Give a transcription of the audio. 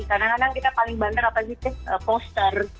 kadang kadang kita paling banter apa gitu poster